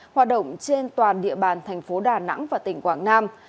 hoạt động trên toàn địa bàn tp đà nẵng và tỉnh quảng nam